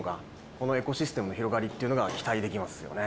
このエコシステムの広がりっていうのが期待できますよね。